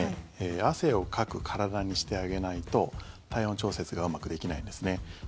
汗をかく体にしてあげないと体温調節がうまくできないんですね。